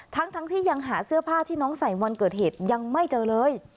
ทั้งที่ยังหาเสื้อผ้าที่น้องใส่วันเกิดเหตุยังไม่เจอเลย